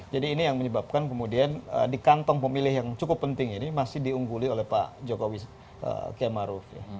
jadi ini yang menyebabkan kemudian di kantong pemilih yang cukup penting ini masih diungguli oleh pak jokowi kemaru